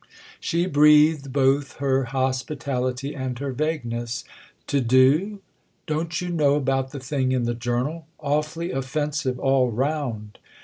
She breathed both her hospitality and her vagueness. "To 'do'——?" "Don't you know about the thing in the 'Journal'—awfully offensive all round?"